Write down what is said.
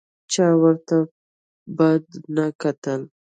چا ورته بد نه کتل.